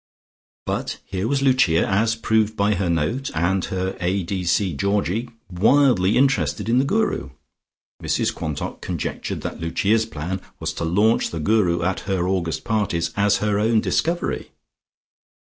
But here was Lucia, as proved by her note, and her A. D. C. Georgie, wildly interested in the Guru. Mrs Quantock conjectured that Lucia's plan was to launch the Guru at her August parties, as her own discovery.